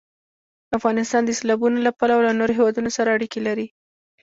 افغانستان د سیلابونه له پلوه له نورو هېوادونو سره اړیکې لري.